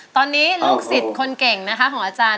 ตอนนี้ลูกศิษย์คนเก่งนะคะของอาจารย์